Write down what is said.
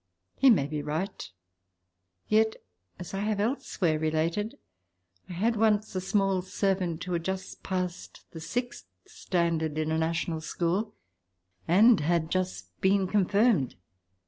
He may be right. Yet, as I have elsewhere related, I had once a small servant who had just passed the sixth standard in a national school and had just been confirmed.